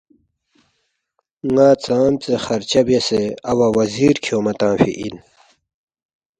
ن٘ا ژامژے خرچہ بیاسے اوا وزیر کھیونگما تنگفی اِن